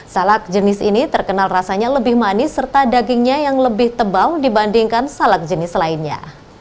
salak jenis ini terkenal rasanya lebih manis serta dagingnya yang lebih tebal dibandingkan salak jenis lainnya